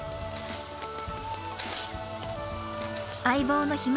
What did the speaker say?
相棒のひむ